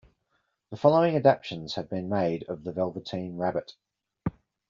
The following adaptations have been made of "The Velveteen Rabbit".